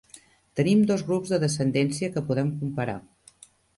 Tenim dos grups de descendència que podem comparar.